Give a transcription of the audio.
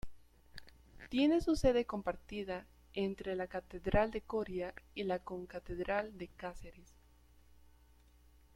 Tiene su sede compartida entre la Catedral de Coria y la Concatedral de Cáceres.